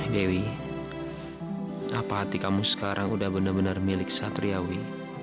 dewi apa hati kamu sekarang udah benar benar milik satriawi